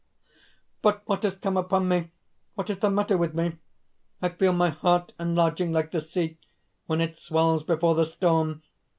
"But what has come upon me? What is the matter with me? I feel my heart enlarging like the sea, when it swells before the storm.